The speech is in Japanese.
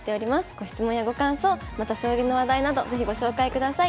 ご質問やご感想また将棋の話題など是非ご紹介ください。